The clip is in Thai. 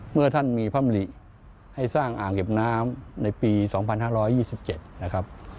เมื่อท่านมีพระมริให้สร้างอ่างเก็บน้ำในปี๒๕๒๗นะครับ